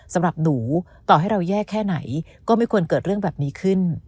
สำหรับหนูต่อให้เราแย่แค่ไหนก็ไม่ควรเกิดเรื่องแบบนี้ขึ้น